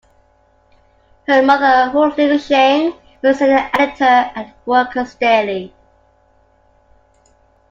Her mother, Hu Lingsheng, was a senior editor at "Workers' Daily".